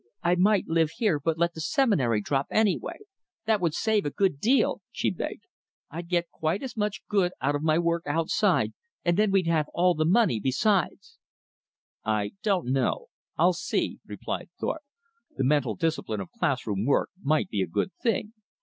"I might live here, but let the Seminary drop, anyway. That would save a good deal," she begged. "I'd get quite as much good out of my work outside, and then we'd have all that money besides." "I don't know; I'll see," replied Thorpe. "The mental discipline of class room work might be a good thing."